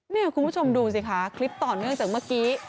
นี่คุณผู้ชมดูสิคะคลิปต่อเนื่องจากเมื่อกี้